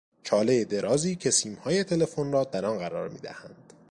چالهی درازی که سیمهای تلفن را در آن قرار میدهند